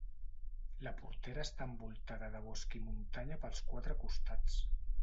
La Portera està envoltada de bosc i muntanya pels quatre costats.